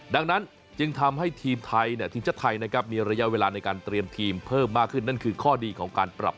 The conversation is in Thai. ดังนั้นยังทำให้ทีมไทยทีมชาติไทยนะครับมีระยะเวลาในการเตรียมทีมเพิ่มมากขึ้น